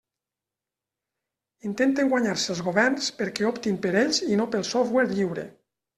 Intenten guanyar-se els governs perquè optin per ells i no pel software lliure.